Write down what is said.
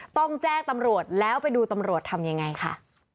ต้องแจ้งตำรวจแล้วไปดูตำรวจทำยังไงค่ะ